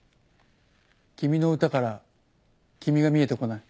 君の歌から君が見えてこない。